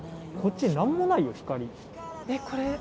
こっちなんもないよ光。